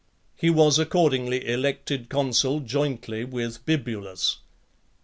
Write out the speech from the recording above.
He was accordingly elected consul jointly with Bibulus.